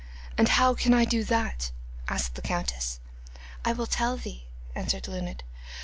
'And how can I do that?' asked the countess. 'I will tell thee,' answered Luned.